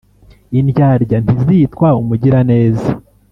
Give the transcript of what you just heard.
indyarya ntizitwa umugiraneza.